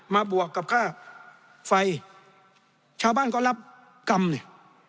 บวกกับค่าไฟชาวบ้านก็รับกรรมนี่